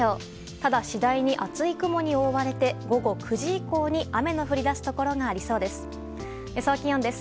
ただ、次第に厚い雲に覆われて午後９時以降に雨の降り出すところがありそうです。